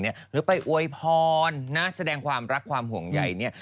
หรือไปอวยพรแสดงความรักความห่วงใหญ่